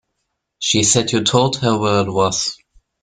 She said you told her where it was.